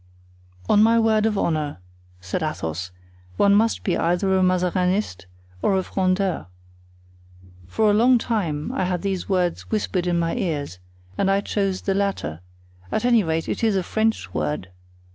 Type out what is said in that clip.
"On my word of honor," said Athos, "one must be either a Mazarinist or a Frondeur. For a long time I had these words whispered in my ears, and I chose the latter; at any rate, it is a French word.